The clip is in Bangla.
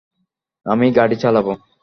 আমি গাড়ি চালাবো।